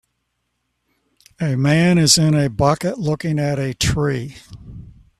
A man is in a bucket looking at a tree